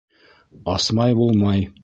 Асмай булмай.